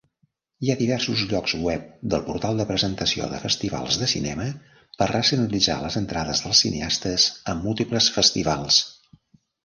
Hi ha diversos llocs web del portal de presentació de festivals de cinema per racionalitzar les entrades dels cineastes en múltiples festivals.